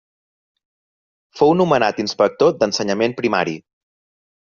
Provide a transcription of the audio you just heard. Fou nomenat Inspector d'Ensenyament Primari.